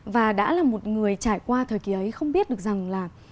và đã là một người trải qua thời kỳ ấy không biết được rằng là